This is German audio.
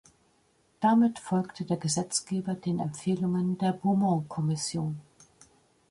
Damit folgte der Gesetzgeber den Empfehlungen der "Beaumont-Kommission".